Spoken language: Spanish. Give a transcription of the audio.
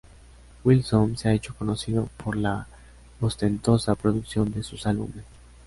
Wilson se ha hecho conocido por la ostentosa producción de sus álbumes.